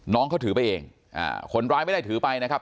น้องเขาถือไปเองคนร้ายไม่ได้ถือไปนะครับ